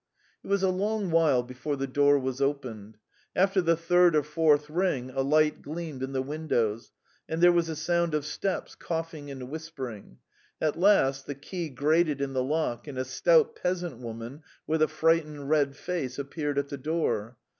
It was a long while before the door was opened. After the third or fourth ring a light gleamed in the windows, and there was a sound of steps, coughing and whispering; at last the key grated in the lock, and a stout peasant woman with a frightened red face appeared at the door.